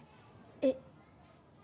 えっ？